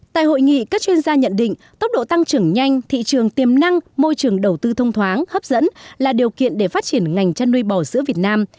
tại hội nghị các chuyên gia nhận định tốc độ tăng trưởng nhanh thị trường tiềm năng môi trường đầu tư thông thoáng hấp dẫn là điều kiện để phát triển ngành chăn nuôi bò sữa việt nam